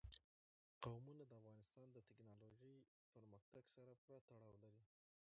قومونه د افغانستان د تکنالوژۍ پرمختګ سره پوره تړاو لري.